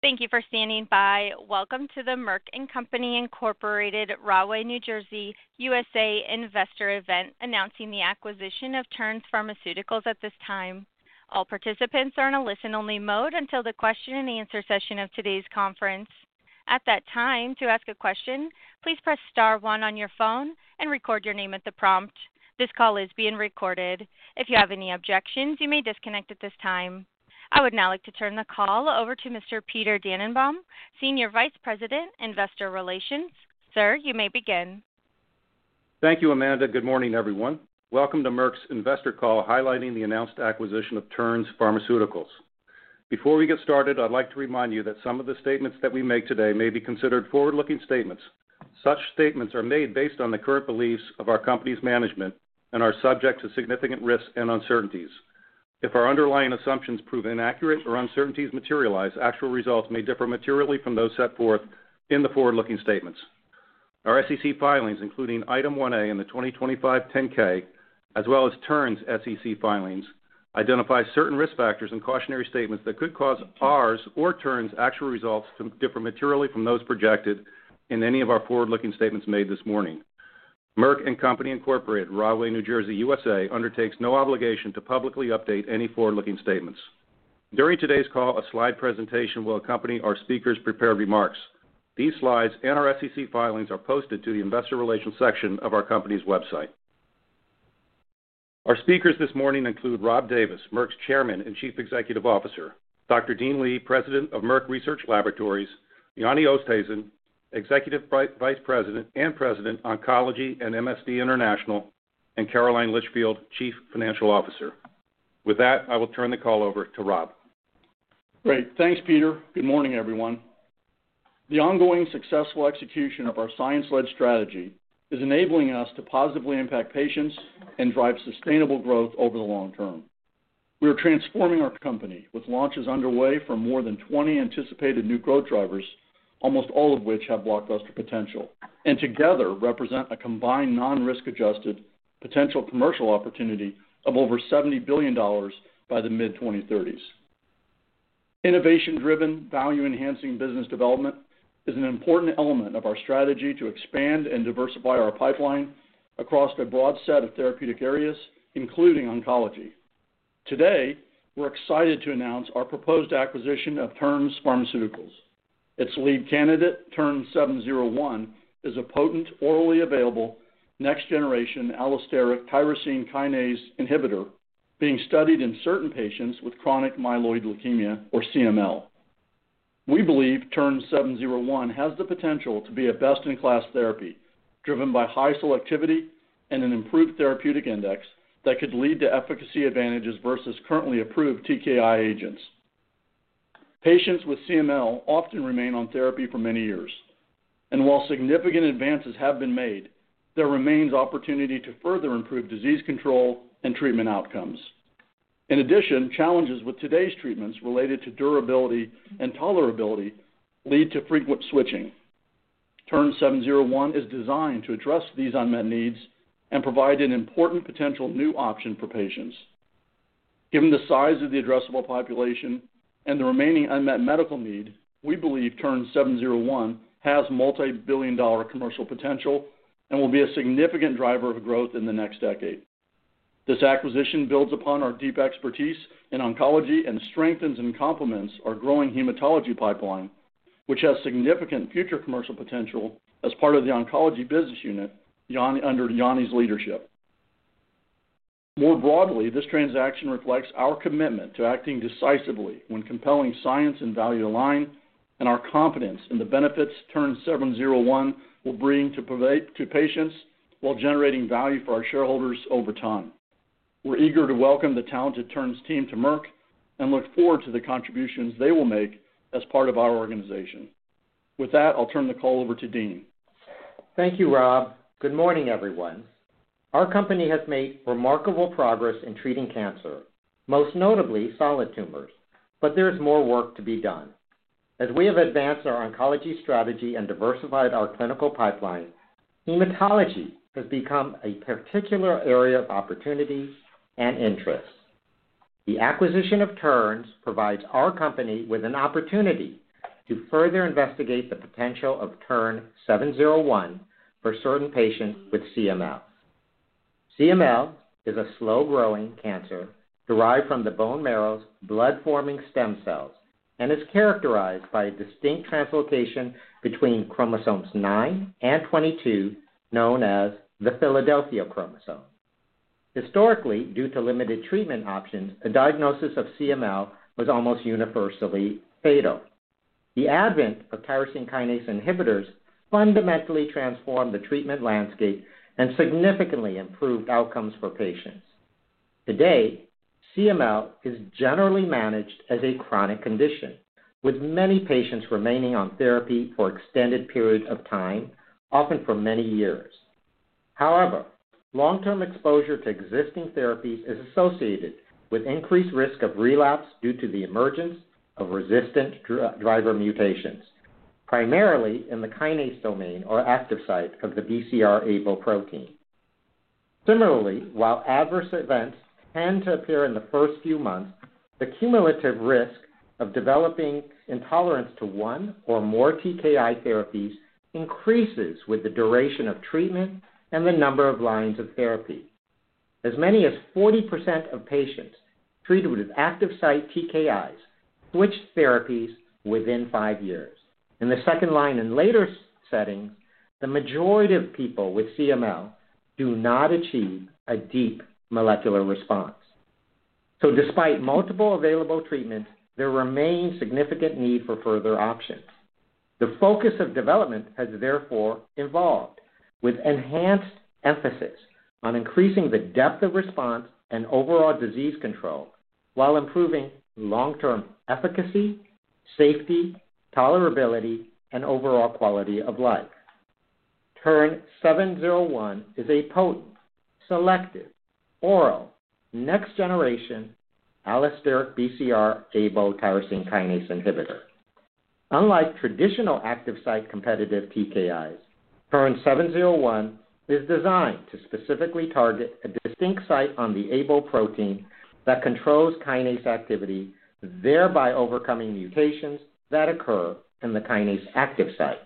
Thank you for standing by. Welcome to the Merck & Co., Inc., Rahway, New Jersey, USA investor event announcing the acquisition of Terns Pharmaceuticals at this time. All participants are in a listen only mode until the question and answer session of today's conference. At that time, to ask a question, please press star one on your phone and record your name at the prompt. This call is being recorded. If you have any objections, you may disconnect at this time. I would now like to turn the call over to Mr. Peter Dannenbaum, Senior Vice President, Investor Relations. Sir, you may begin. Thank you, Amanda. Good morning, everyone. Welcome to Merck's investor call highlighting the announced acquisition of Terns Pharmaceuticals. Before we get started, I'd like to remind you that some of the statements that we make today may be considered forward-looking statements. Such statements are made based on the current beliefs of our company's management and are subject to significant risks and uncertainties. If our underlying assumptions prove inaccurate or uncertainties materialize, actual results may differ materially from those set forth in the forward-looking statements. Our SEC filings, including Item 1A in the 2025 10-K, as well as Terns SEC filings, identify certain risk factors and cautionary statements that could cause ours or Terns' actual results to differ materially from those projected in any of our forward-looking statements made this morning. Merck & Co., Inc., Rahway, New Jersey, USA, undertakes no obligation to publicly update any forward-looking statements. During today's call, a slide presentation will accompany our speakers' prepared remarks. These slides and our SEC filings are posted to the investor relations section of our company's website. Our speakers this morning include Rob Davis, Merck's Chairman and Chief Executive Officer, Dr. Dean Li, President of Merck Research Laboratories, Jannie Oosthuizen, Executive Vice President and President, Oncology and MSD International, and Caroline Litchfield, Chief Financial Officer. With that, I will turn the call over to Rob. Great. Thanks, Peter. Good morning, everyone. The ongoing successful execution of our science-led strategy is enabling us to positively impact patients and drive sustainable growth over the long term. We are transforming our company with launches underway for more than 20 anticipated new growth drivers, almost all of which have blockbuster potential, and together represent a combined non-risk adjusted potential commercial opportunity of over $70 billion by the mid-2030s. Innovation-driven, value-enhancing business development is an important element of our strategy to expand and diversify our pipeline across a broad set of therapeutic areas, including oncology. Today, we're excited to announce our proposed acquisition of Terns Pharmaceuticals. Its lead candidate, TERN-701, is a potent orally available next generation allosteric tyrosine kinase inhibitor being studied in certain patients with chronic myeloid leukemia or CML. We believe TERN-701 has the potential to be a best-in-class therapy driven by high selectivity and an improved therapeutic index that could lead to efficacy advantages versus currently approved TKI agents. Patients with CML often remain on therapy for many years, and while significant advances have been made, there remains opportunity to further improve disease control and treatment outcomes. In addition, challenges with today's treatments related to durability and tolerability lead to frequent switching. TERN-701 is designed to address these unmet needs and provide an important potential new option for patients. Given the size of the addressable population and the remaining unmet medical need, we believe TERN-701 has multi-billion dollar commercial potential and will be a significant driver of growth in the next decade. This acquisition builds upon our deep expertise in oncology and strengthens and complements our growing hematology pipeline, which has significant future commercial potential as part of the oncology business unit under Jannie's leadership. More broadly, this transaction reflects our commitment to acting decisively when compelling science and value align, and our confidence in the benefits TERN-701 will bring to provide to patients while generating value for our shareholders over time. We're eager to welcome the talented Terns team to Merck and look forward to the contributions they will make as part of our organization. With that, I'll turn the call over to Dean. Thank you, Rob. Good morning, everyone. Our company has made remarkable progress in treating cancer, most notably solid tumors, but there is more work to be done. As we have advanced our oncology strategy and diversified our clinical pipeline, hematology has become a particular area of opportunity and interest. The acquisition of Terns provides our company with an opportunity to further investigate the potential of TERN-701 for certain patients with CML. CML is a slow-growing cancer derived from the bone marrow's blood-forming stem cells and is characterized by a distinct translocation between chromosomes nine and 22, known as the Philadelphia chromosome. Historically, due to limited treatment options, a diagnosis of CML was almost universally fatal. The advent of tyrosine kinase inhibitors fundamentally transformed the treatment landscape and significantly improved outcomes for patients. Today, CML is generally managed as a chronic condition, with many patients remaining on therapy for extended periods of time, often for many years. However, long-term exposure to existing therapies is associated with increased risk of relapse due to the emergence of resistant driver mutations, primarily in the kinase domain or active site of the BCR-ABL protein. Similarly, while adverse events tend to appear in the first few months, the cumulative risk of developing intolerance to one or more TKI therapies increases with the duration of treatment and the number of lines of therapy. As many as 40% of patients treated with active site TKIs switched therapies within five years. In the second line and later settings, the majority of people with CML do not achieve a deep molecular response. Despite multiple available treatments, there remains significant need for further options. The focus of development has therefore evolved with enhanced emphasis on increasing the depth of response and overall disease control while improving long-term efficacy, safety, tolerability, and overall quality of life. TERN-701 is a potent, selective, oral, next-generation allosteric BCR-ABL tyrosine kinase inhibitor. Unlike traditional active site competitive TKIs, TERN-701 is designed to specifically target a distinct site on the ABL protein that controls kinase activity, thereby overcoming mutations that occur in the kinase active site.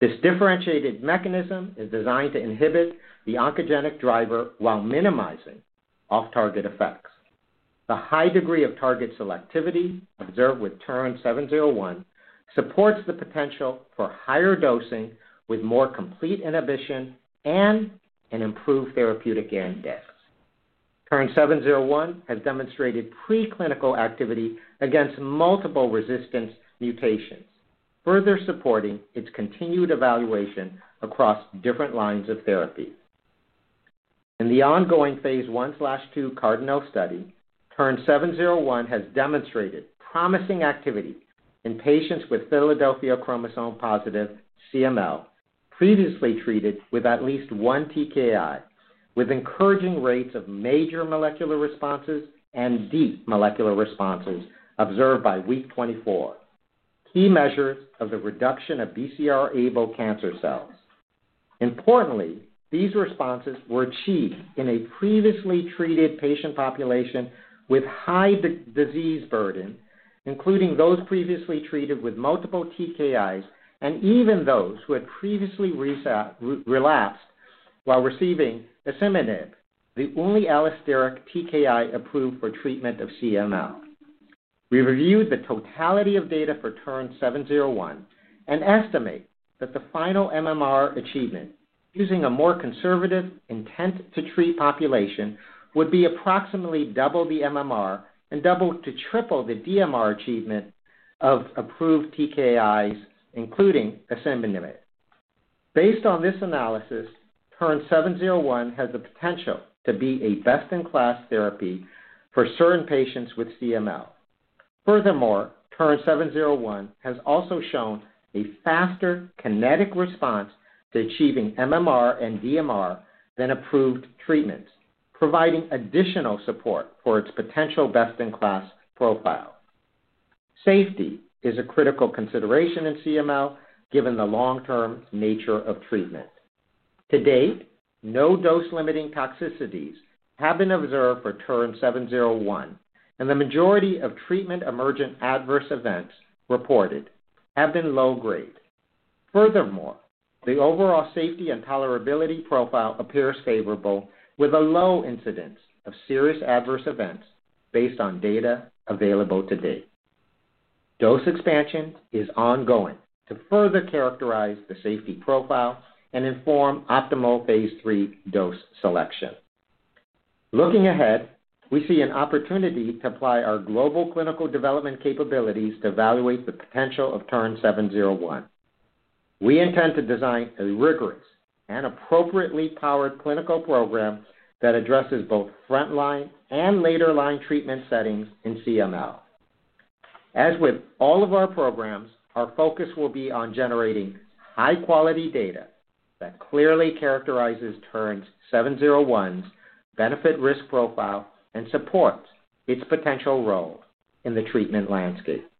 This differentiated mechanism is designed to inhibit the oncogenic driver while minimizing off-target effects. The high degree of target selectivity observed with TERN-701 supports the potential for higher dosing with more complete inhibition and an improved therapeutic index. TERN-701 has demonstrated preclinical activity against multiple resistance mutations, further supporting its continued evaluation across different lines of therapy. In the ongoing Phase 1/2 CARDINAL study, TERN-701 has demonstrated promising activity in patients with Philadelphia chromosome positive CML previously treated with at least one TKI, with encouraging rates of major molecular responses and deep molecular responses observed by week 24, key measures of the reduction of BCR-ABL cancer cells. Importantly, these responses were achieved in a previously treated patient population with high disease burden, including those previously treated with multiple TKIs and even those who had previously relapsed while receiving dasatinib, the only allosteric TKI approved for treatment of CML. We reviewed the totality of data for TERN-701 and estimate that the final MMR achievement using a more conservative intent-to-treat population would be approximately double the MMR and double to triple the DMR achievement of approved TKIs, including dasatinib. Based on this analysis, TERN-701 has the potential to be a best-in-class therapy for certain patients with CML. Furthermore, TERN-701 has also shown a faster kinetic response to achieving MMR and DMR than approved treatments, providing additional support for its potential best-in-class profile. Safety is a critical consideration in CML, given the long-term nature of treatment. To date, no dose-limiting toxicities have been observed for TERN-701, and the majority of treatment emergent adverse events reported have been low-grade. Furthermore, the overall safety and tolerability profile appears favorable, with a low incidence of serious adverse events based on data available to date. Dose expansion is ongoing to further characterize the safety profile and inform optimal phase III dose selection. Looking ahead, we see an opportunity to apply our global clinical development capabilities to evaluate the potential of TERN-701. We intend to design a rigorous and appropriately powered clinical program that addresses both front-line and later-line treatment settings in CML. As with all of our programs, our focus will be on generating high-quality data that clearly characterizes TERN-701's benefit risk profile and supports its potential role in the treatment landscape.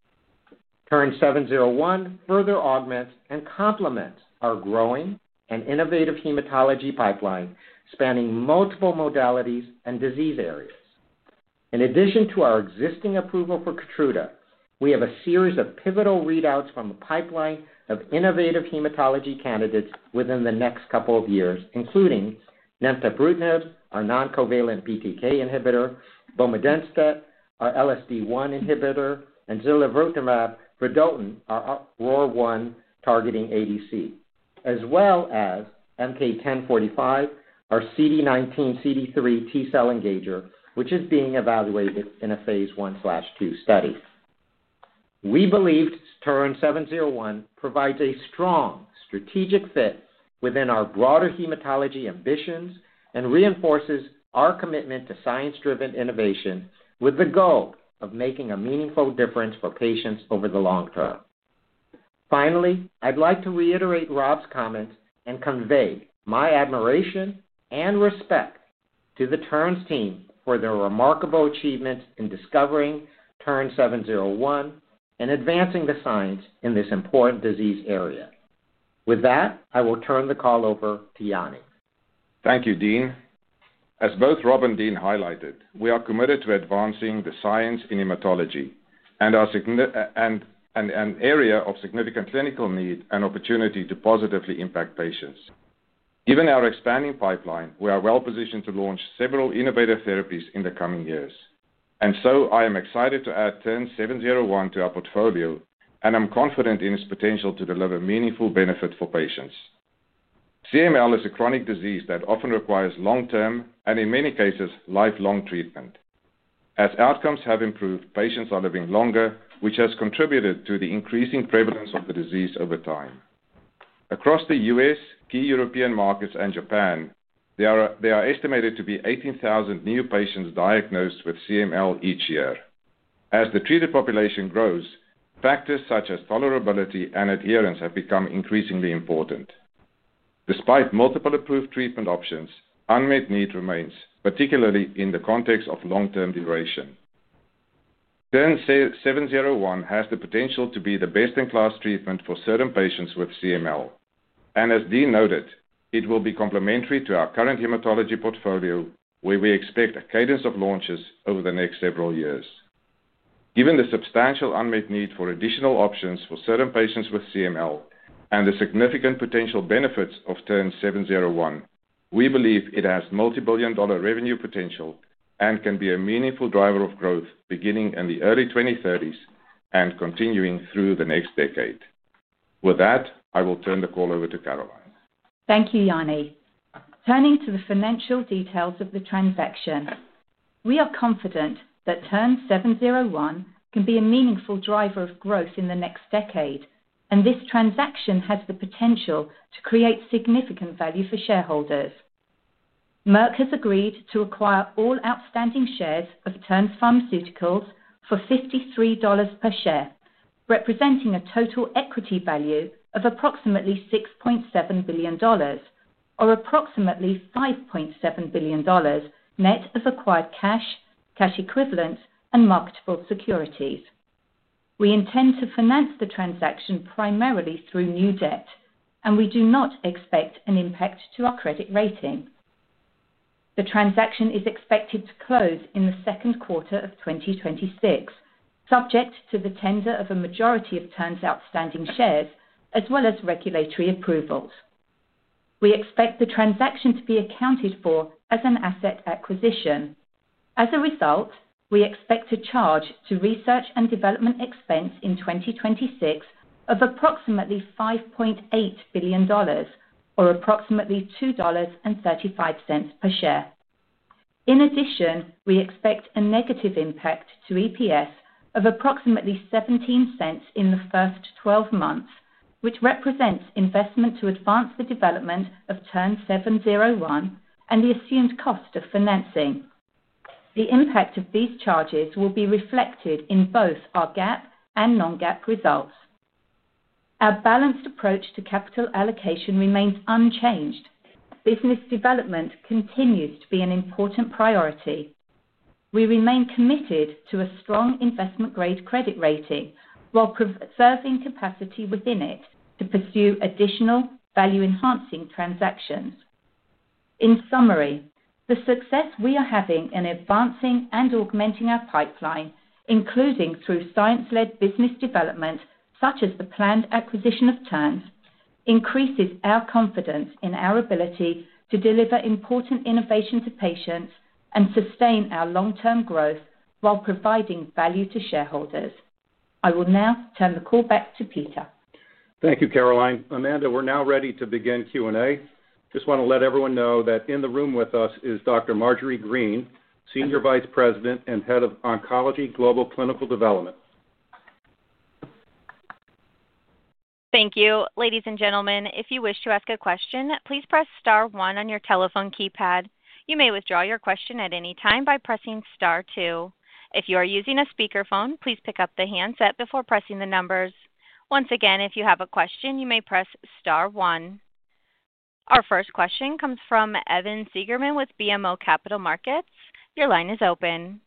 TERN-701 further augments and complements our growing and innovative hematology pipeline, spanning multiple modalities and disease areas. In addition to our existing approval for Keytruda, we have a series of pivotal readouts from a pipeline of innovative hematology candidates within the next couple of years, including nemtabrutinib, our non-covalent BTK inhibitor, bomedemstat, our LSD1 inhibitor, and zilovertamab vedotin, our ROR1-targeting ADC, as well as MK-1045, our CD19/CD3 T-cell engager, which is being evaluated in a Phase 1/2 study. We believe TERN-701 provides a strong strategic fit within our broader hematology ambitions and reinforces our commitment to science-driven innovation with the goal of making a meaningful difference for patients over the long term. Finally, I'd like to reiterate Rob's comments and convey my admiration and respect. To the Terns' team for their remarkable achievements in discovering TERN-701 and advancing the science in this important disease area. With that, I will turn the call over to Jannie. Thank you, Dean. As both Rob and Dean highlighted, we are committed to advancing the science in hematology and an area of significant clinical need and opportunity to positively impact patients. Given our expanding pipeline, we are well-positioned to launch several innovative therapies in the coming years. I am excited to add TERN-701 to our portfolio, and I'm confident in its potential to deliver meaningful benefit for patients. CML is a chronic disease that often requires long-term, and in many cases, lifelong treatment. As outcomes have improved, patients are living longer, which has contributed to the increasing prevalence of the disease over time. Across the U.S., key European markets and Japan, there are estimated to be 18,000 new patients diagnosed with CML each year. As the treated population grows, factors such as tolerability and adherence have become increasingly important. Despite multiple approved treatment options, unmet need remains, particularly in the context of long-term duration. TERN-701 has the potential to be the best-in-class treatment for certain patients with CML. As Dean noted, it will be complementary to our current hematology portfolio, where we expect a cadence of launches over the next several years. Given the substantial unmet need for additional options for certain patients with CML and the significant potential benefits of TERN-701, we believe it has multibillion-dollar revenue potential and can be a meaningful driver of growth beginning in the early 2030s and continuing through the next decade. With that, I will turn the call over to Caroline. Thank you, Jannie. Turning to the financial details of the transaction. We are confident that TERN-701 can be a meaningful driver of growth in the next decade, and this transaction has the potential to create significant value for shareholders. Merck has agreed to acquire all outstanding shares of Terns Pharmaceuticals for $53 per share, representing a total equity value of approximately $6.7 billion or approximately $5.7 billion net of acquired cash equivalents, and marketable securities. We intend to finance the transaction primarily through new debt, and we do not expect an impact to our credit rating. The transaction is expected to close in the second quarter of 2026, subject to the tender of a majority of Terns's outstanding shares as well as regulatory approvals. We expect the transaction to be accounted for as an asset acquisition. As a result, we expect to charge to research and development expense in 2026 of approximately $5.8 billion or approximately $2.35 per share. In addition, we expect a negative impact to EPS of approximately $0.17 in the first 12 months, which represents investment to advance the development of TERN-701 and the assumed cost of financing. The impact of these charges will be reflected in both our GAAP and non-GAAP results. Our balanced approach to capital allocation remains unchanged. Business development continues to be an important priority. We remain committed to a strong investment-grade credit rating while preserving capacity within it to pursue additional value-enhancing transactions. In summary, the success we are having in advancing and augmenting our pipeline, including through science-led business development such as the planned acquisition of Terns, increases our confidence in our ability to deliver important innovation to patients and sustain our long-term growth while providing value to shareholders. I will now turn the call back to Peter. Thank you, Caroline. Amanda, we're now ready to begin Q&A. Just want to let everyone know that in the room with us is Dr. Marjorie Green, Senior Vice President and Head of Oncology, Global Clinical Development. Thank you. Ladies and gentlemen, if you wish to ask a question, please press star one on your telephone keypad. You may withdraw your question at any time by pressing star two. If you are using a speakerphone, please pick up the handset before pressing the numbers. Once again, if you have a question, you may press star one. Our first question comes from Evan Seigerman with BMO Capital Markets. Your line is open.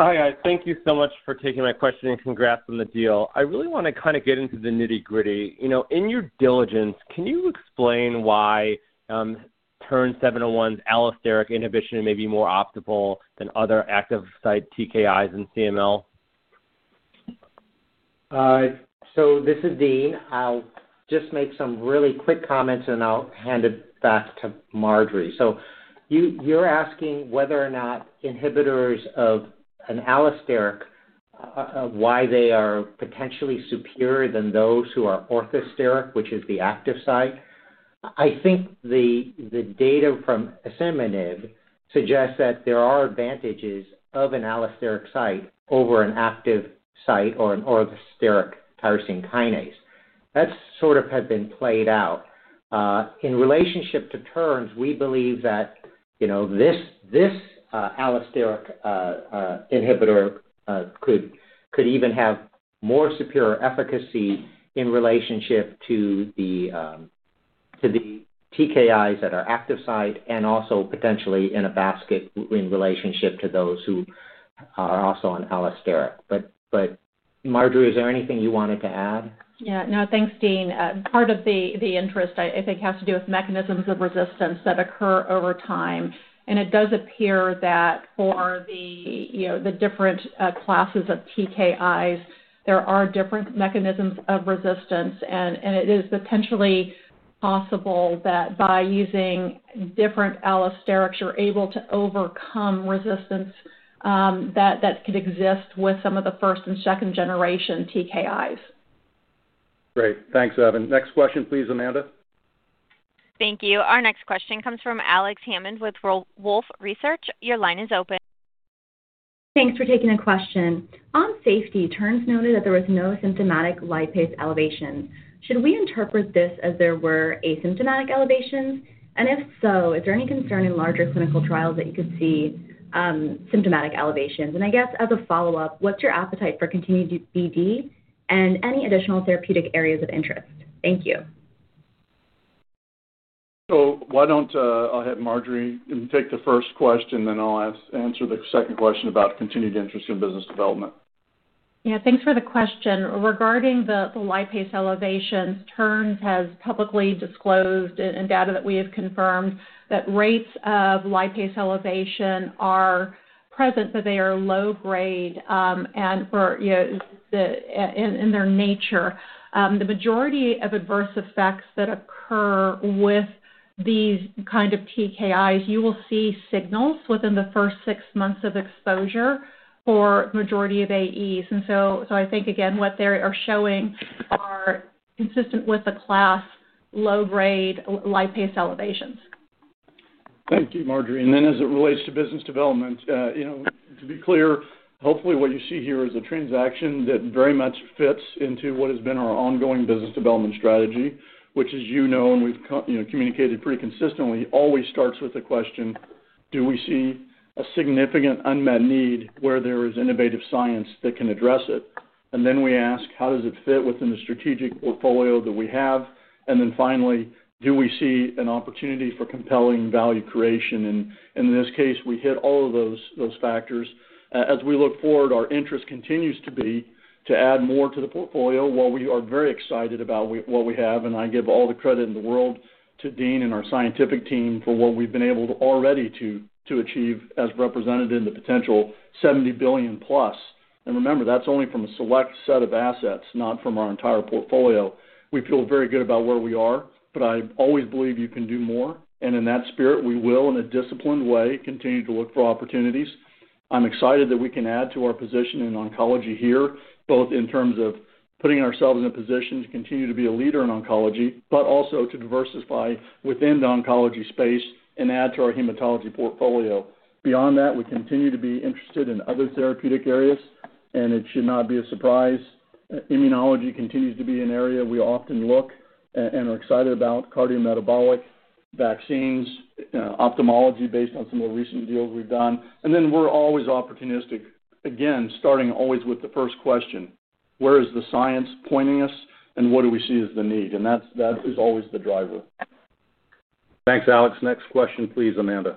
Hi. Thank you so much for taking my question, and congrats on the deal. I really wanna kind of get into the nitty-gritty. You know, in your diligence, can you explain why, TERN-701's allosteric inhibition may be more optimal than other active site TKIs in CML? This is Dean. I'll just make some really quick comments, and I'll hand it back to Marjorie. You're asking whether or not inhibitors of an allosteric why they are potentially superior than those who are orthosteric, which is the active site. I think the data from asciminib suggests that there are advantages of an allosteric site over an active site or an orthosteric tyrosine kinase. That sort of has been played out. In relationship to Terns, we believe that, you know, this allosteric inhibitor could even have- More secure efficacy in relationship to the TKIs that are active site and also potentially in a basket in relationship to those who are also on allosteric. But Marjorie, is there anything you wanted to add? Yeah, no, thanks, Dean. Part of the interest I think has to do with mechanisms of resistance that occur over time. It does appear that for the, you know, different classes of TKIs, there are different mechanisms of resistance. It is potentially possible that by using different allosterics, you're able to overcome resistance that could exist with some of the first and second generation TKIs. Great. Thanks, Evan. Next question, please, Amanda. Thank you. Our next question comes from Alex Hammond with Wolfe Research. Your line is open. Thanks for taking the question. On safety, Terns noted that there was no symptomatic lipase elevation. Should we interpret this as there were asymptomatic elevations? If so, is there any concern in larger clinical trials that you could see symptomatic elevations? I guess as a follow-up, what's your appetite for continued DD and any additional therapeutic areas of interest? Thank you. I'll have Marjorie take the first question, then I'll answer the second question about continued interest in business development. Yeah, thanks for the question. Regarding the lipase elevations, Terns has publicly disclosed and data that we have confirmed that rates of lipase elevation are present, but they are low grade, and you know in their nature. The majority of adverse effects that occur with these kind of TKIs, you will see signals within the first six months of exposure for majority of AEs. So I think again, what they are showing are consistent with the class low grade lipase elevations. Thank you, Marjorie. As it relates to business development, you know, to be clear, hopefully what you see here is a transaction that very much fits into what has been our ongoing business development strategy, which as you know, and we've you know, communicated pretty consistently, always starts with the question, do we see a significant unmet need where there is innovative science that can address it? We ask, how does it fit within the strategic portfolio that we have? Finally, do we see an opportunity for compelling value creation? In this case, we hit all of those factors. As we look forward, our interest continues to be to add more to the portfolio. While we are very excited about what we have, and I give all the credit in the world to Dean and our scientific team for what we've been able already to achieve as represented in the potential $70 billion plus. Remember, that's only from a select set of assets, not from our entire portfolio. We feel very good about where we are, but I always believe you can do more. In that spirit, we will, in a disciplined way, continue to look for opportunities. I'm excited that we can add to our position in oncology here, both in terms of putting ourselves in a position to continue to be a leader in oncology, but also to diversify within the oncology space and add to our hematology portfolio. Beyond that, we continue to be interested in other therapeutic areas, and it should not be a surprise. Immunology continues to be an area we often look and are excited about, cardiometabolic vaccines, ophthalmology based on some of the recent deals we've done. We're always opportunistic, again, starting always with the first question, where is the science pointing us and what do we see as the need? That's always the driver. Thanks, Alex. Next question, please, Amanda.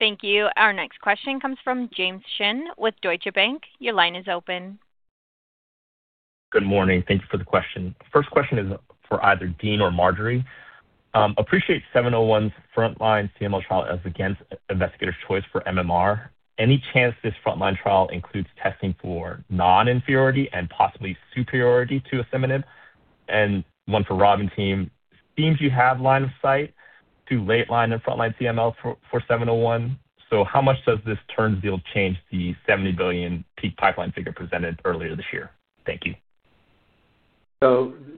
Thank you. Our next question comes from James Shin with Deutsche Bank. Your line is open. Good morning. Thank you for the question. First question is for either Dean or Marjorie. Appreciate TERN-701's frontline CML trial as, again, investigator's choice for MMR. Any chance this frontline trial includes testing for non-inferiority and possibly superiority to asciminib? And one for Rob and team, seems you have line of sight to late line and frontline CML for TERN-701. How much does this Terns deal change the $70 billion peak pipeline figure presented earlier this year? Thank you.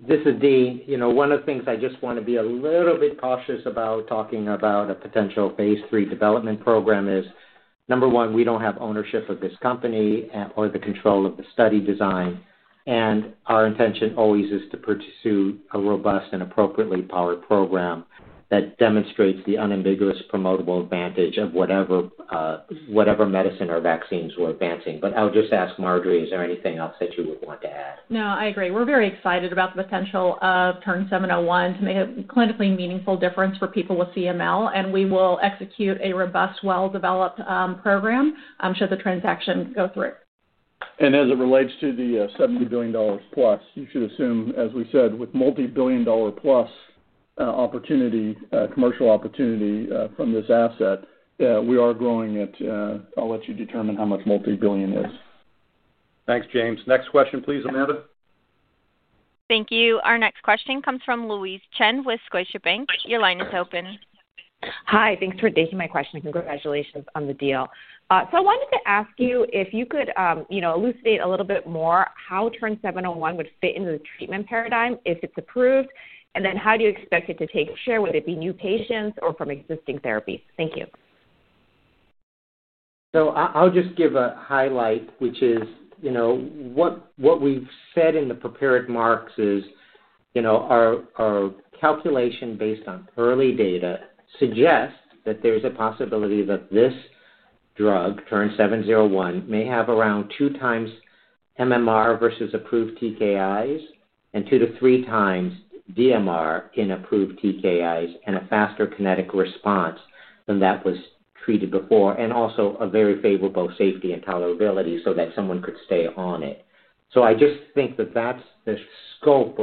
This is Dean. You know, one of the things I just wanna be a little bit cautious about talking about a potential phase III development program is, number one, we don't have ownership of this company or the control of the study design. Our intention always is to pursue a robust and appropriately powered program that demonstrates the unambiguous promotable advantage of whatever medicine or vaccines we're advancing. I'll just ask Marjorie, is there anything else that you would want to add? No, I agree. We're very excited about the potential of TERN-701 to make a clinically meaningful difference for people with CML, and we will execute a robust, well-developed program, should the transaction go through. As it relates to the $70 billion plus, you should assume, as we said, with multibillion-dollar plus opportunity, commercial opportunity from this asset, we are growing at. I'll let you determine how much multibillion is. Thanks, James. Next question, please, Amanda. Thank you. Our next question comes from Louise Chen with Scotiabank. Your line is open. Hi. Thanks for taking my question, and congratulations on the deal. I wanted to ask you if you could, you know, elucidate a little bit more how TERN-701 would fit into the treatment paradigm if it's approved, and then how do you expect it to take share? Would it be new patients or from existing therapies? Thank you. I’ll just give a highlight, which is what we’ve said in the prepared remarks is our calculation based on early data suggests that there’s a possibility that this drug, TERN-701, may have around 2x MMR versus approved TKIs and 2x-3x DMR in approved TKIs and a faster kinetic response than that was treated before, and also a very favorable safety and tolerability so that someone could stay on it. I just think that that’s the scope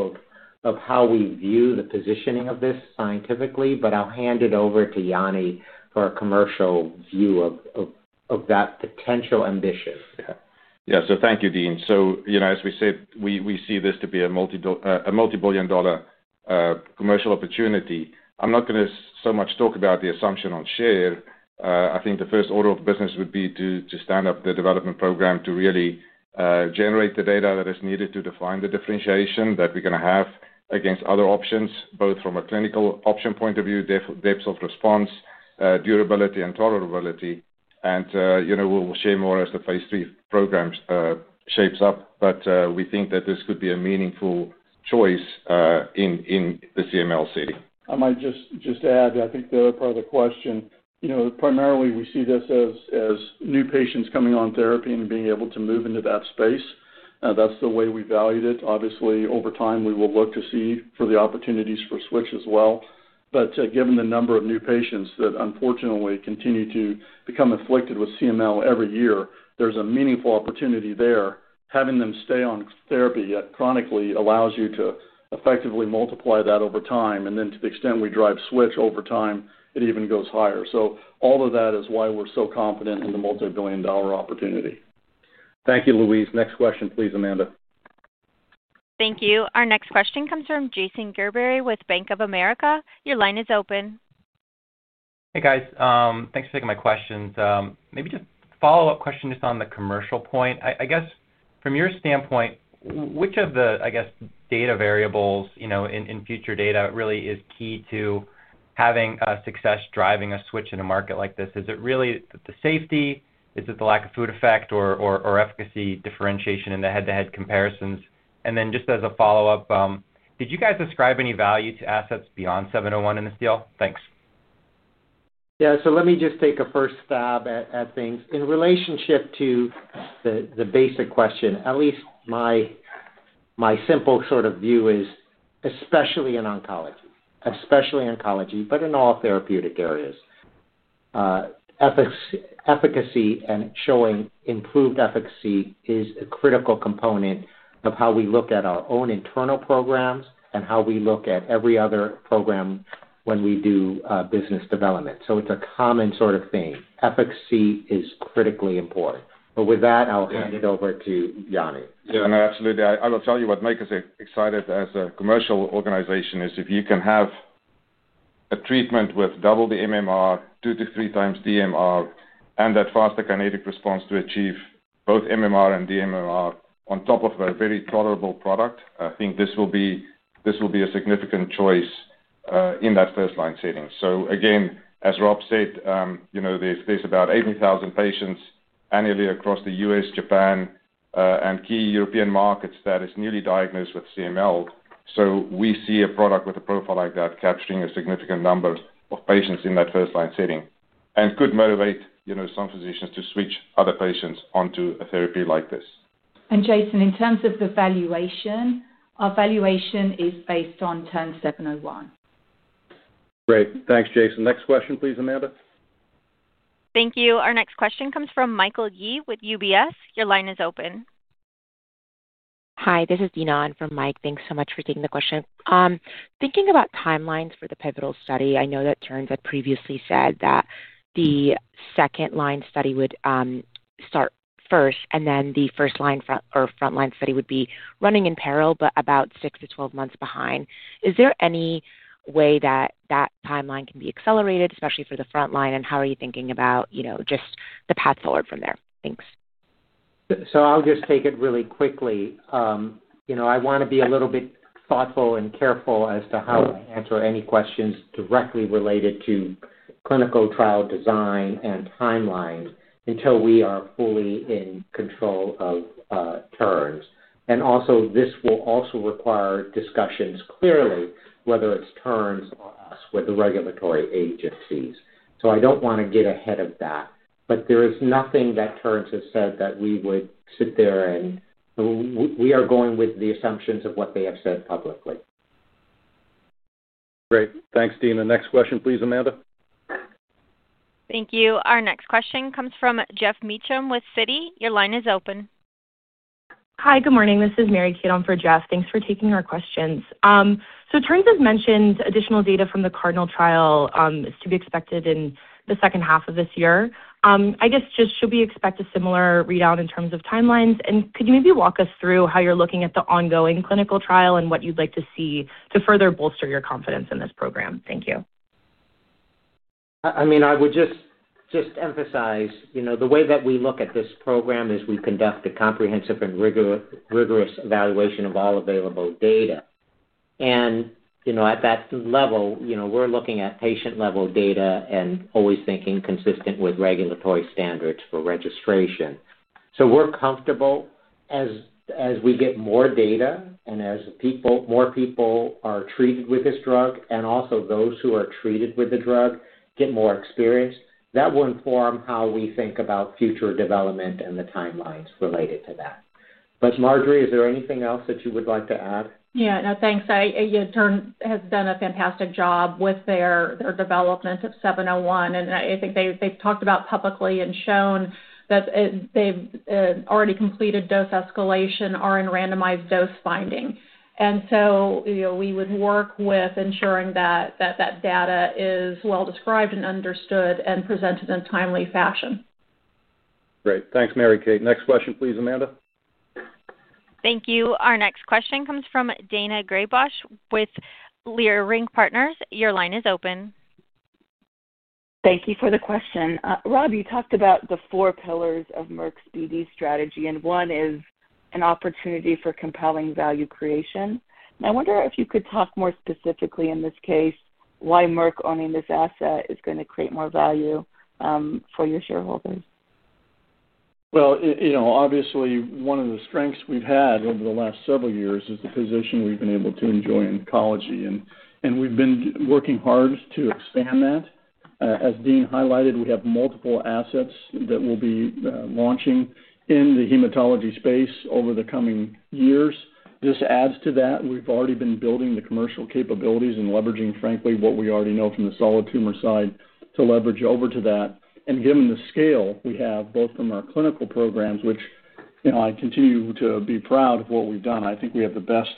of how we view the positioning of this scientifically, but I’ll hand it over to Jannie for a commercial view of that potential ambition. Thank you, Dean. You know, as we said, we see this to be a multi-billion dollar commercial opportunity. I'm not gonna so much talk about the assumption on share. I think the first order of business would be to stand up the development program to really generate the data that is needed to define the differentiation that we're gonna have against other options, both from a clinical option point of view, depths of response, durability and tolerability. You know, we'll share more as the Phase 3 programs shapes up, but we think that this could be a meaningful choice in the CML setting. I might just add, I think the other part of the question, you know, primarily we see this as new patients coming on therapy and being able to move into that space. That's the way we valued it. Obviously, over time, we will look to see for the opportunities for switch as well. Given the number of new patients that unfortunately continue to become afflicted with CML every year, there's a meaningful opportunity there. Having them stay on therapy chronically allows you to effectively multiply that over time. To the extent we drive switch over time, it even goes higher. All of that is why we're so confident in the multi-billion-dollar opportunity. Thank you, Louise. Next question, please, Amanda. Thank you. Our next question comes from Jason Gerberry with Bank of America. Your line is open. Hey, guys. Thanks for taking my questions. Maybe just a follow-up question just on the commercial point. I guess from your standpoint, which of the, I guess, data variables, you know, in future data really is key to having success driving a switch in a market like this? Is it really the safety? Is it the lack of food effect or efficacy differentiation in the head-to-head comparisons? And then just as a follow-up, did you guys ascribe any value to assets beyond seven-oh-one in this deal? Thanks. Yeah. Let me just take a first stab at things. In relationship to the basic question, at least my simple sort of view is, especially in oncology, but in all therapeutic areas, efficacy and showing improved efficacy is a critical component of how we look at our own internal programs and how we look at every other program when we do business development. It's a common sort of theme. Efficacy is critically important. With that, I'll hand it over to Jannie. Yeah, no, absolutely. I will tell you what makes us excited as a commercial organization is if you can have a treatment with double the MMR, 2x-3x DMR, and that faster kinetic response to achieve both MMR and DMR on top of a very tolerable product. I think this will be a significant choice in that first-line setting. Again, as Rob said, you know, there's about 80,000 patients annually across the U.S., Japan, and key European markets that is newly diagnosed with CML. We see a product with a profile like that capturing a significant number of patients in that first-line setting and could motivate, you know, some physicians to switch other patients onto a therapy like this. Jason, in terms of the valuation, our valuation is based on TERN-701. Great. Thanks, Jason. Next question, please, Amanda. Thank you. Our next question comes from Michael Yee with UBS. Your line is open. Hi, this is Dina for Mike. Thanks so much for taking the question. Thinking about timelines for the pivotal study, I know that Terns had previously said that the second-line study would start first, and then the first-line frontline study would be running in parallel, but about 6-12 months behind. Is there any way that that timeline can be accelerated, especially for the front line, and how are you thinking about, you know, just the path forward from there? Thanks. I'll just take it really quickly. You know, I wanna be a little bit thoughtful and careful as to how I answer any questions directly related to clinical trial design and timelines until we are fully in control of Terns. This will also require discussions clearly, whether it's Terns or us, with the regulatory agencies. I don't wanna get ahead of that. There is nothing that Terns has said that we would sit there and we are going with the assumptions of what they have said publicly. Great. Thanks, Dina. The next question, please, Amanda. Thank you. Our next question comes from Geoff Meacham with Citi. Your line is open. Hi. Good morning. This is Mary Kate on for Geoff. Thanks for taking our questions. Terns has mentioned additional data from the CARDINAL Phase 1/2 trial is to be expected in the second half of this year. I guess just should we expect a similar readout in terms of timelines? Could you maybe walk us through how you're looking at the ongoing clinical trial and what you'd like to see to further bolster your confidence in this program? Thank you. I mean, I would just emphasize, you know, the way that we look at this program is we conduct a comprehensive and rigorous evaluation of all available data. You know, at that level, you know, we're looking at patient-level data and always thinking consistent with regulatory standards for registration. We're comfortable as we get more data and as more people are treated with this drug, and also those who are treated with the drug get more experience, that will inform how we think about future development and the timelines related to that. Marjorie, is there anything else that you would like to add? Yeah. No, thanks. Terns has done a fantastic job with their development of TERN-701, and I think they’ve talked about publicly and shown that they’ve already completed dose escalation, are in randomized dose finding. You know, we would work with ensuring that data is well described and understood and presented in a timely fashion. Great. Thanks, Mary Kate. Next question, please, Amanda. Thank you. Our next question comes from Daina Graybosch with Leerink Partners. Your line is open. Thank you for the question. Rob, you talked about the four pillars of Merck's BD strategy, and one is an opportunity for compelling value creation. I wonder if you could talk more specifically in this case, why Merck owning this asset is gonna create more value for your shareholders? Well, you know, obviously one of the strengths we've had over the last several years is the position we've been able to enjoy in oncology, and we've been working hard to expand that. As Dean highlighted, we have multiple assets that we'll be launching in the hematology space over the coming years. This adds to that. We've already been building the commercial capabilities and leveraging, frankly, what we already know from the solid tumor side to leverage over to that. Given the scale we have both from our clinical programs, which, you know, I continue to be proud of what we've done. I think we have the best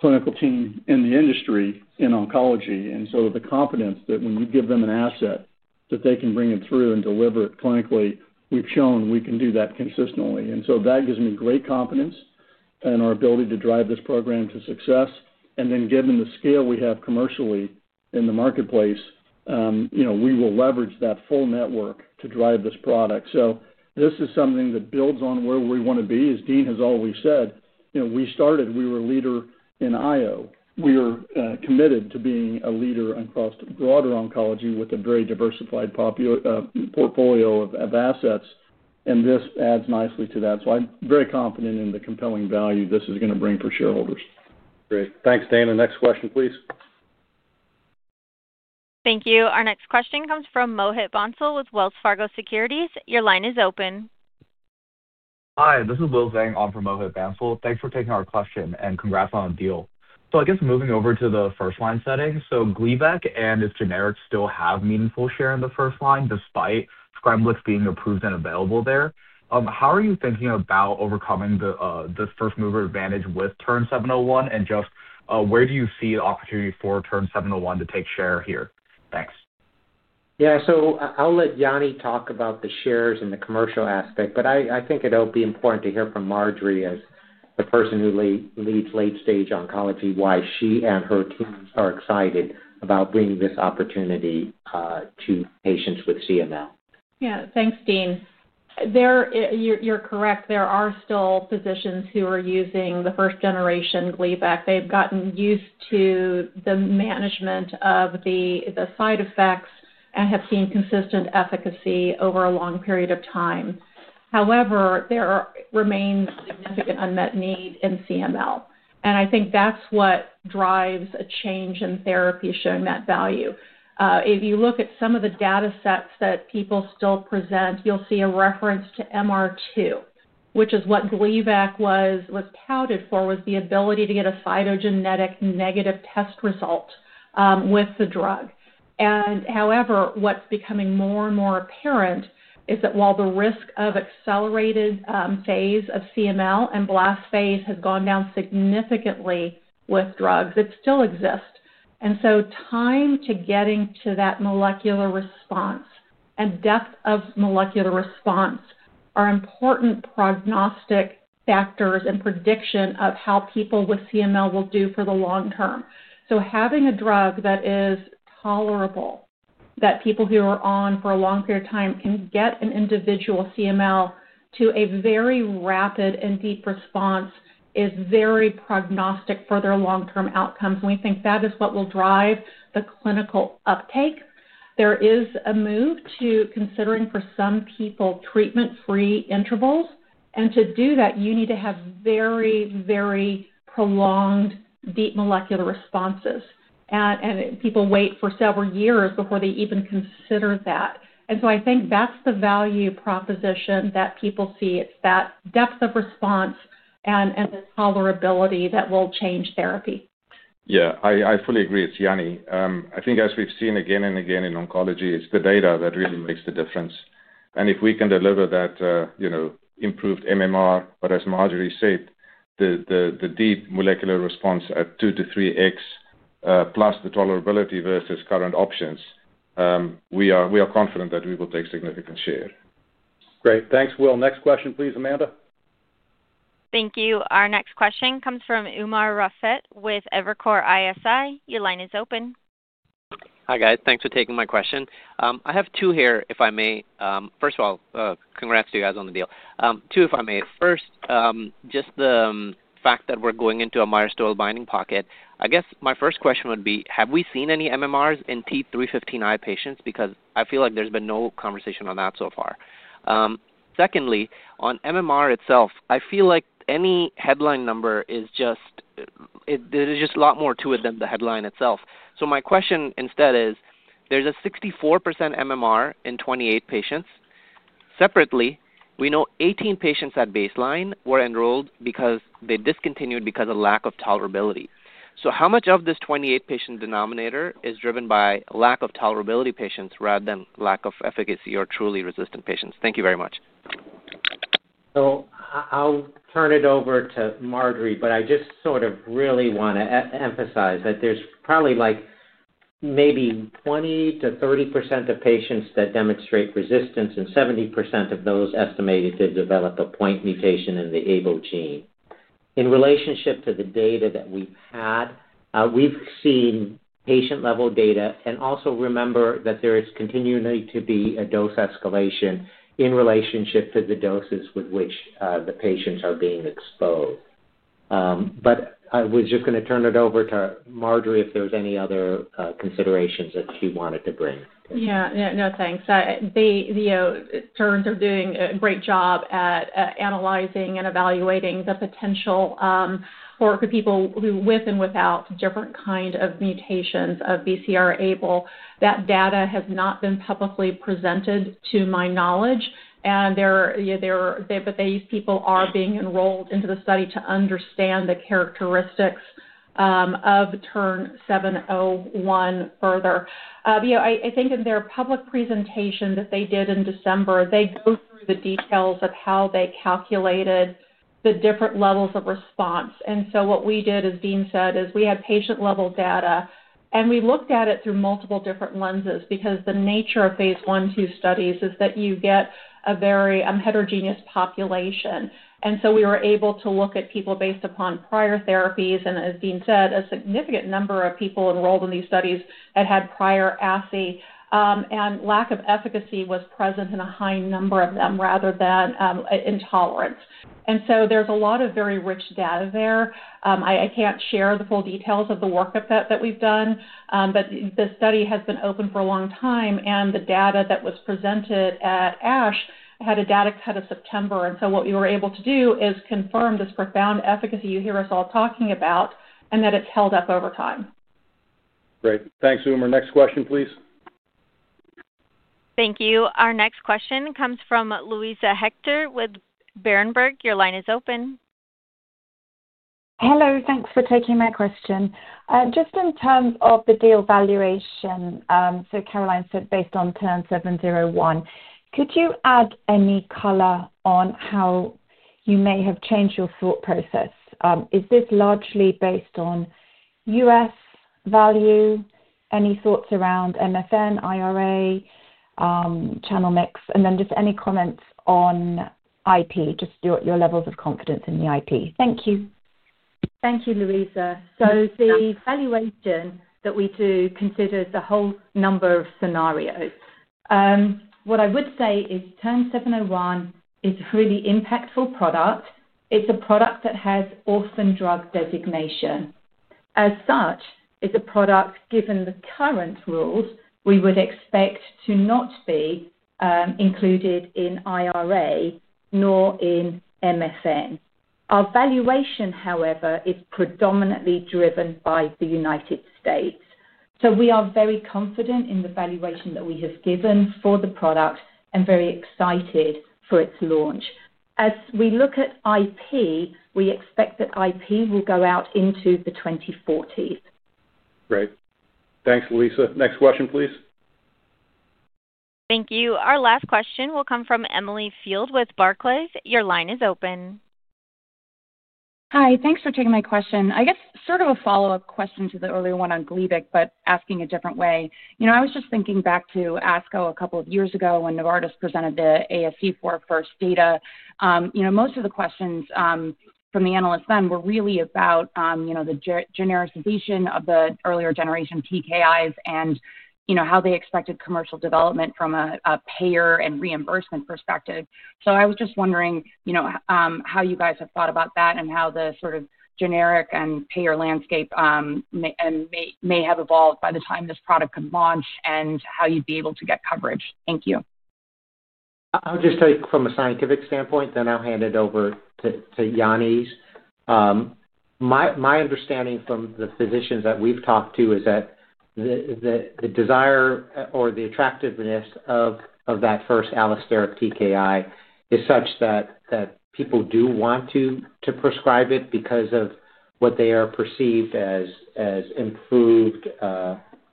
clinical team in the industry in oncology, and so the confidence that when we give them an asset, that they can bring it through and deliver it clinically, we've shown we can do that consistently. That gives me great confidence in our ability to drive this program to success. Given the scale we have commercially in the marketplace, you know, we will leverage that full network to drive this product. This is something that builds on where we want to be. As Dean has always said, you know, we started, we were a leader in IO. We are committed to being a leader across broader oncology with a very diversified portfolio of assets, and this adds nicely to that. I'm very confident in the compelling value this is gonna bring for shareholders. Great. Thanks, Daina. Next question, please. Thank you. Our next question comes from Mohit Bansal with Wells Fargo Securities. Your line is open. Hi, this is Will Zhang on for Mohit Bansal. Thanks for taking our question, and congrats on the deal. I guess moving over to the first-line setting, Gleevec and its generics still have meaningful share in the first line despite Scemblix being approved and available there. How are you thinking about overcoming this first-mover advantage with TERN-701, and just where do you see the opportunity for TERN-701 to take share here? Thanks. I'll let Jannie talk about the shares and the commercial aspect, but I think it'll be important to hear from Marjorie as the person who leads late-stage oncology, why she and her teams are excited about bringing this opportunity to patients with CML. Yeah. Thanks, Dean. You're correct. There are still physicians who are using the first-generation Gleevec. They've gotten used to the management of the side effects and have seen consistent efficacy over a long period of time. However, there remains a significant unmet need in CML, and I think that's what drives a change in therapy showing that value. If you look at some of the datasets that people still present, you'll see a reference to MCyR, which is what Gleevec was touted for, the ability to get a cytogenetic negative test result with the drug. However, what's becoming more and more apparent is that while the risk of accelerated phase of CML and blast phase has gone down significantly with drugs, it still exists. Time to getting to that molecular response and depth of molecular response are important prognostic factors and prediction of how people with CML will do for the long term. Having a drug that is tolerable, that people who are on for a long period of time can get an individual CML to a very rapid and deep response is very prognostic for their long-term outcomes, and we think that is what will drive the clinical uptake. There is a move to considering for some people treatment-free intervals, and to do that, you need to have very, very prolonged deep molecular responses. People wait for several years before they even consider that. I think that's the value proposition that people see. It's that depth of response and the tolerability that will change therapy. Yeah, I fully agree. It's Jannie. I think as we've seen again and again in oncology, it's the data that really makes the difference. If we can deliver that, you know, improved MMR, but as Marjorie said, the deep molecular response at 2x to 3x, plus the tolerability versus current options, we are confident that we will take significant share. Great. Thanks, Will. Next question please, Amanda. Thank you. Our next question comes from Umer Raffat with Evercore ISI. Your line is open. Hi, guys. Thanks for taking my question. I have two here, if I may. First, just the fact that we're going into a myristoyl binding pocket, I guess my first question would be, have we seen any MMRs in T315I patients? Because I feel like there's been no conversation on that so far. Secondly, on MMR itself, I feel like any headline number is just, there is just a lot more to it than the headline itself. So my question instead is, there's a 64% MMR in 28 patients. Separately, we know 18 patients at baseline were enrolled because they discontinued because of lack of tolerability. So how much of this 28-patient denominator is driven by lack of tolerability patients rather than lack of efficacy or truly resistant patients? Thank you very much. I'll turn it over to Marjorie, but I just sort of really wanna re-emphasize that there's probably, like, maybe 20%-30% of patients that demonstrate resistance and 70% of those estimated to develop a point mutation in the ABL gene. In relationship to the data that we've had, we've seen patient-level data, and also remember that there is continuing to be a dose escalation in relationship to the doses with which the patients are being exposed. But I was just gonna turn it over to Marjorie if there's any other considerations that she wanted to bring. Yeah. No, no, thanks. Terns are doing a great job at analyzing and evaluating the potential for people with and without different kind of mutations of BCR-ABL. That data has not been publicly presented to my knowledge. But these people are being enrolled into the study to understand the characteristics of TERN-701 further. I think in their public presentation that they did in December, they go through the details of how they calculated the different levels of response. What we did, as Dean said, is we had patient-level data, and we looked at it through multiple different lenses because the nature of phase I/II studies is that you get a very heterogeneous population. We were able to look at people based upon prior therapies, and as Dean said, a significant number of people enrolled in these studies had had prior ASC. Lack of efficacy was present in a high number of them rather than intolerance. There's a lot of very rich data there. I can't share the full details of the workup that we've done, but the study has been open for a long time, and the data that was presented at ASH had a data cut of September. What we were able to do is confirm this profound efficacy you hear us all talking about and that it's held up over time. Great. Thanks, Umer. Next question, please. Thank you. Our next question comes from Luisa Hector with Berenberg. Your line is open. Hello. Thanks for taking my question. Just in terms of the deal valuation, so Caroline said based on TERN-701, could you add any color on how you may have changed your thought process? Is this largely based on U.S. value? Any thoughts around MFN, IRA, channel mix? And then just any comments on IP, just your levels of confidence in the IP. Thank you. Thank you, Luisa. The valuation that we do considers a whole number of scenarios. What I would say is TERN-701 is a really impactful product. It's a product that has orphan drug designation. As such, it's a product, given the current rules, we would expect to not be included in IRA nor in MFN. Our valuation, however, is predominantly driven by the United States. We are very confident in the valuation that we have given for the product and very excited for its launch. As we look at IP, we expect that IP will go out into the 2040s. Great. Thanks, Luisa. Next question, please. Thank you. Our last question will come from Emily Field with Barclays. Your line is open. Hi. Thanks for taking my question. I guess sort of a follow-up question to the earlier one on Gleevec, but asking a different way. You know, I was just thinking back to ASCO a couple of years ago when Novartis presented the ASC4FIRST data. You know, most of the questions from the analysts then were really about, you know, the generation of the earlier generation TKIs and, you know, how they expected commercial development from a payer and reimbursement perspective. So I was just wondering, you know, how you guys have thought about that and how the sort of generic and payer landscape may have evolved by the time this product could launch and how you'd be able to get coverage. Thank you. I'll just take from a scientific standpoint, then I'll hand it over to Jannie. My understanding from the physicians that we've talked to is that the desire or the attractiveness of that first allosteric TKI is such that people do want to prescribe it because of what they are perceived as improved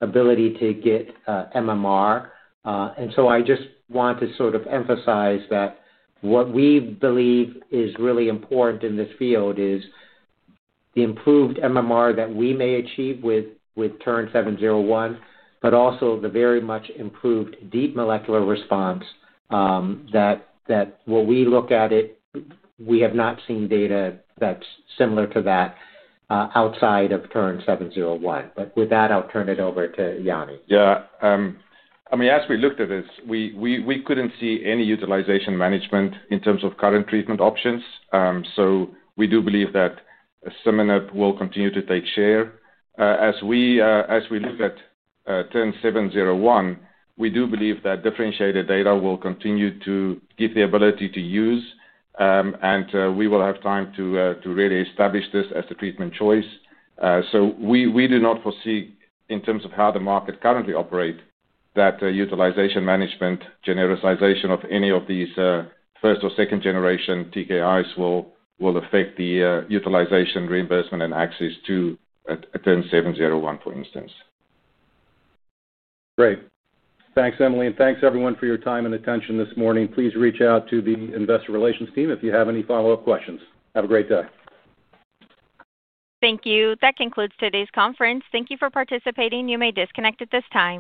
ability to get MMR. I just want to sort of emphasize that what we believe is really important in this field is the improved MMR that we may achieve with TERN-701, but also the very much improved deep molecular response that when we look at it, we have not seen data that's similar to that outside of TERN-701. With that, I'll turn it over to Jannie. Yeah. I mean, as we looked at this, we couldn't see any utilization management in terms of current treatment options. We do believe that Scemblix will continue to take share. As we look at TERN-701, we do believe that differentiated data will continue to give the ability to use and we will have time to really establish this as the treatment choice. We do not foresee in terms of how the market currently operates, that utilization management genericization of any of these first or second generation TKIs will affect the utilization, reimbursement, and access to a TERN-701, for instance. Great. Thanks, Emily. Thanks, everyone, for your time and attention this morning. Please reach out to the investor relations team if you have any follow-up questions. Have a great day. Thank you. That concludes today's conference. Thank you for participating. You may disconnect at this time.